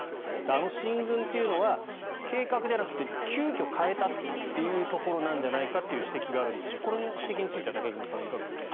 あの進軍というのは計画じゃなくて急きょ変えたというところじゃないかという指摘があるんですがこの指摘については武隈さん、いかがですか？